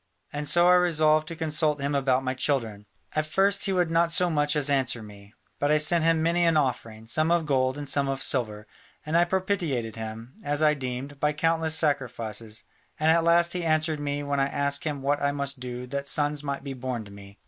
And so I resolved to consult him about my children. At first he would not so much as answer me, but I sent him many an offering, some of gold and some of silver, and I propitiated him, as I deemed, by countless sacrifices, and at last he answered me when I asked him what I must do that sons might be born to me.